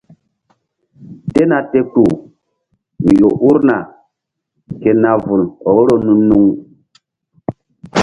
Tena te kpuh mi ƴo urna ke na vul vboro nu-nuŋ.